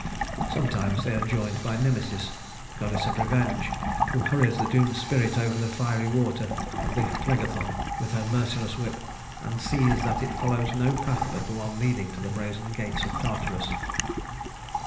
Sometimes they are joined by Nemesis, goddess of revenge, who hurries the doomed spirit over the fiery waters of the Phlegethon with her merciless whip, and sees that it follows no path but the one leading to the brazen gates of Tartarus.